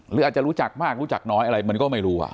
หรืออาจจะรู้จักมากรู้จักน้อยอะไรมันก็ไม่รู้